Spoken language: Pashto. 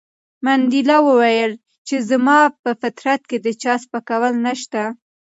منډېلا وویل چې زما په فطرت کې د چا سپکول نشته.